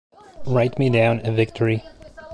Write me down a victory.